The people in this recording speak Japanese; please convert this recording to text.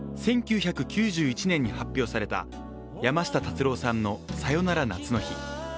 １９９１年に発表された山下達郎さんの「さよなら夏の日」。